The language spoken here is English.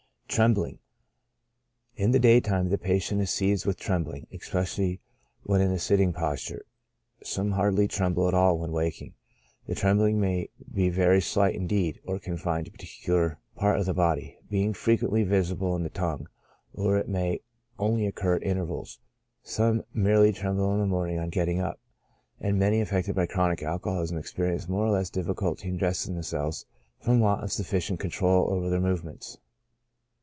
Trembling. — In the day time the patient is seized with trembling, especially when in the sitting posture; some hard ly tremble at all when walking. The trembling may be very slight indeed, or confined to a particular part of the body, being frequently visible in the tongue, or it may only occur at intervals ; some merely tremble in the morning on get ting up, and many affected by chronic alcoholism experi ence more or less difficulty in dressing themselves from want of sufficient control over their movements.